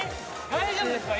大丈夫ですか？